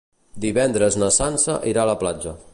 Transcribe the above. Divendres na Sança irà a la platja.